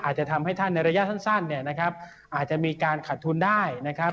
อาจจะทำให้ท่านในระยะสั้นเนี่ยนะครับอาจจะมีการขัดทุนได้นะครับ